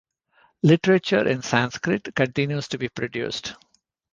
Literature in Sanskrit continues to be produced.